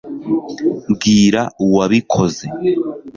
mbwira uwabikoze